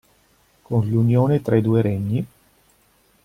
Con l'unione tra i due regni.